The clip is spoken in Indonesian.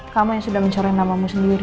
kamu yang sudah mencoreng namamu sendiri